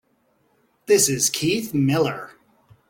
This is Keith Miller.